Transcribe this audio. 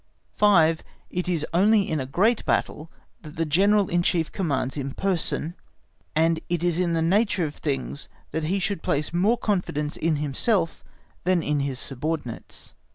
5. It is only in a great battle that the General in Chief commands in person, and it is in the nature of things, that he should place more confidence in himself than in his subordinates.